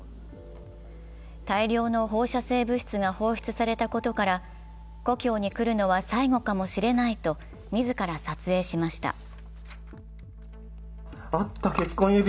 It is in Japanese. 大量の放射性物質が放出されたことから故郷に来るのは最後かもしれないと自ら撮影しました。